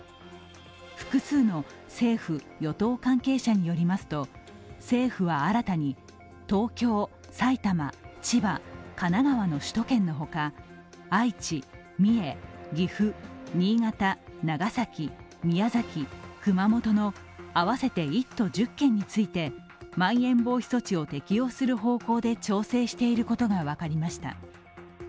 複数の政府・与党関係者によりますと、政府は新たに東京、埼玉、千葉、神奈川の首都圏の他、愛知、三重、岐阜、新潟、長崎、宮崎、熊本の合わせて１都１０県についてまん延防止措置を適用する方向で調整していることが分かりました。